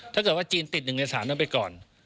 ถ้าเกิดว่าจีนติด๑ใน๓นั้นไปก่อน